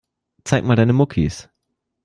Zeig mal deine Muckis.